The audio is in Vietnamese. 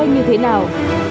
như thế nào